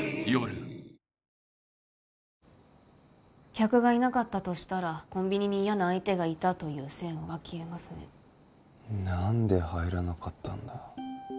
客がいなかったとしたらコンビニに嫌な相手がいたという線は消えますね何で入らなかったんだ